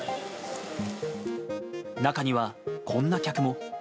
中にはこんな客も。